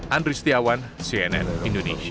andri setiawan cnn indonesia